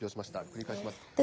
繰り返します。